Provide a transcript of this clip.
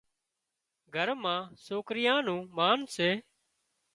گھر مان سوڪريان نُون مانَ سي